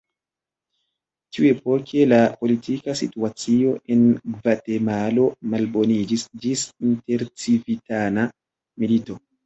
Tiuepoke la politika situacio en Gvatemalo malboniĝis ĝis intercivitana milito.